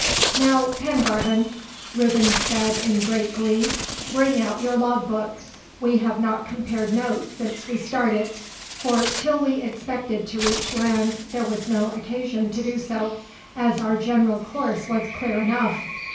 "Now, Pengarvan," Reuben said in great glee, "bring out your log book. We have not compared notes since we started, for till we expected to reach land there was no occasion to do so, as our general course was clear enough.